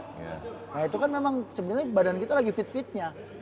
nah itu kan memang sebenarnya badan kita lagi fit fitnya